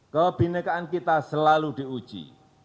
kebinekaan kita selalu diuji